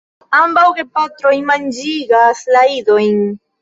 Ambaŭ gepatroj manĝigas la idojn.